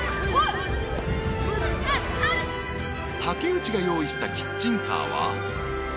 ［竹内が用意したキッチンカーは］